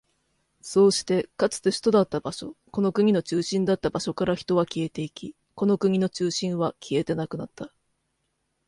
そうして、かつて首都だった場所、この国の中心だった場所から人は消えていき、この国の中心は消えてなくなった。